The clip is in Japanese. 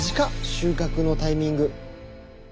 収穫のタイミング。